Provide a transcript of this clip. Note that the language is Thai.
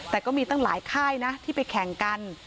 แต่ก็มีตั้งหลายค่ายนะที่ไปแข่งกัน